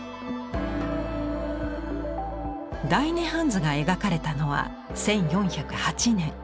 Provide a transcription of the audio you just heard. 「大涅槃図」が描かれたのは１４０８年。